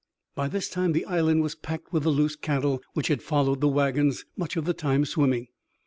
By this time the island was packed with the loose cattle, which had followed the wagons, much of the time swimming.